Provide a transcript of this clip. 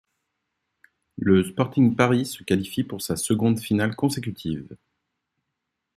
Le Sporting Paris se qualifie pour sa seconde finale consécutive.